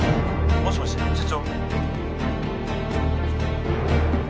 ☎もしもし社長？